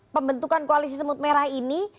pembentukan koalisi semut merah ini